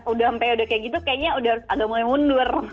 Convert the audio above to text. udah sampai udah kayak gitu kayaknya udah agak mulai mundur